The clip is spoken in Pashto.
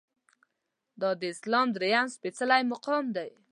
دا د اسلام درېیم سپیڅلی مقام دی.